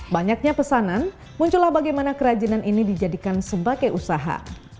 banyaknya pesanan muncullah bagaimana kerajinan ini dijadikan sebagai usaha